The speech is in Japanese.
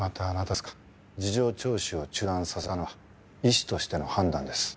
事情聴取を中断させたのは医師としての判断です。